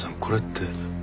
これって。